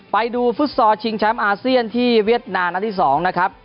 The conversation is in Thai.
ฟุตซอลชิงแชมป์อาเซียนที่เวียดนามนัดที่๒นะครับ